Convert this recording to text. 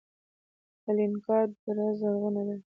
الینګار دره زرغونه ده؟